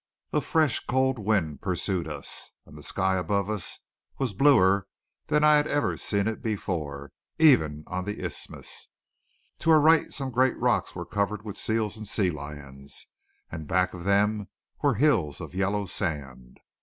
A fresh cold wind pursued us; and the sky above us was bluer than I had ever seen it before, even on the Isthmus. To our right some great rocks were covered with seals and sea lions, and back of them were hills of yellow sand.